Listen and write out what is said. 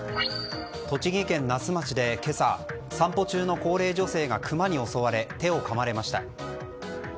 栃木県那須町で今朝散歩中の高齢女性がクマに襲われ手をかまれました。